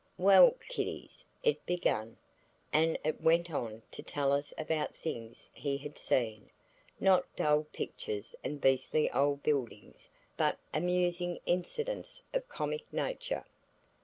"Well, kiddies," it began, and it went on to tell us about things he had seen, not dull pictures and beastly old buildings, but amusing incidents of comic nature.